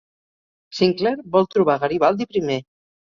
Sinclair vol trobar Garibaldi primer.